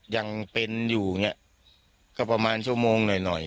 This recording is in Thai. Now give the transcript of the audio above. ยังเป็นอยู่อย่างนี้ก็ประมาณชั่วโมงหน่อยหน่อย